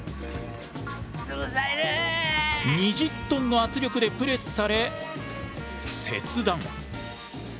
２０トンの圧力でプレスされ切断。